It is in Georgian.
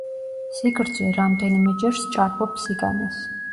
სიგრძე რამდენიმეჯერ სჭარბობს სიგანეს.